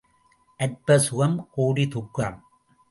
அற்ப சுகம், கோடி துக்கம்.